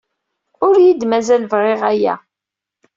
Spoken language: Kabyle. Ur iyi-d-mazal bɣiɣ aya.